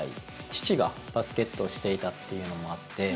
父がバスケットをしていたっていうのもあって。